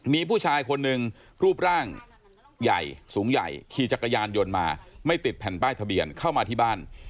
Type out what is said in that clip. มีผู้ชายคนหนึ่งรูปร่างใหญ่สูงใหญ่ขี่จักรยานยนต์มาไม่ติดแผ่นป้ายทะเบียนเข้ามาที่บ้าน